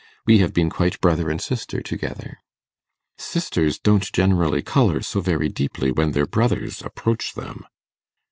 We have been quite brother and sister together.' 'Sisters don't generally colour so very deeply when their brothers approach them.